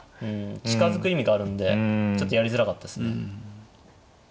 近づく意味があるんでちょっとやりづらかったですね。